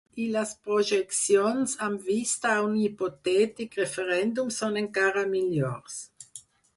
I les projeccions amb vista a un hipotètic referèndum són encara millors.